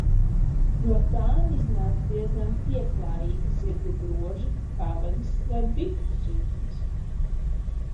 No tām iznāca diezgan pieklājīgi zirgu groži, pavadas vai bikšu siksnas.